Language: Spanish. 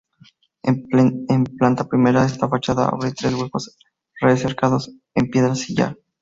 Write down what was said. En planta primera esta fachada abre tres huecos recercados en piedra sillar.